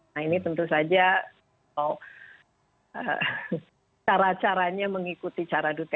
nah ini tentu saja cara caranya mengikuti cara duta